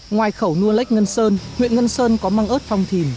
ngoài khẩu nua lếch ngân sơn huyện ngân sơn có măng ớt phong thìm